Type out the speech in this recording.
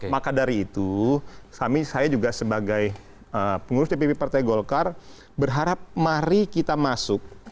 maka dari itu kami saya juga sebagai pengurus dpp partai golkar berharap mari kita masuk